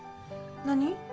何？